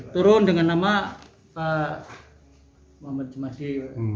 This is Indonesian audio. turun dengan nama pak muhammad jumasir